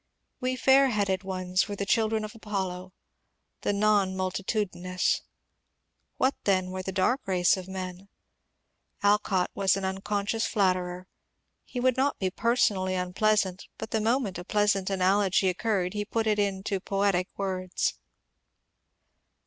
We fair headed ones were the children of ApoUo — the non multitudinous. What then were the dark race of men ? Alcott was an unconscious flatterer. He would not be personally unpleasant, but the moment a pleasant analogy occurred he put it into poetic words.